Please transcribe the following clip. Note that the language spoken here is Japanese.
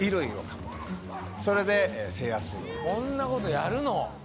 こんなことやるの？